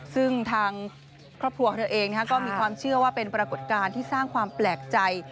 ซึ่งทางครอบครัวเธอเองก็มีความเชื่อว่าเป็นปรากฏการณ์ที่สร้างความแปลกใจ